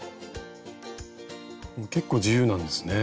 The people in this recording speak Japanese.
結構自由なんですね。